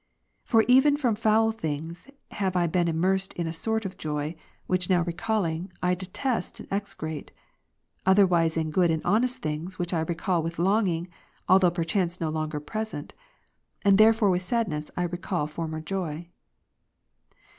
For even from foul things have I been immersed in a sort of joy ; which now recalling, I detest and execrate ; otherwhiles in good and honest things, which I recall with longing, although perchance no longer present ; and therefore with sadness I recall former joy.